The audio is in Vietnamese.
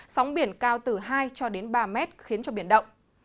sóng biển cao từ hai cho đến ba mét khiến cho biển động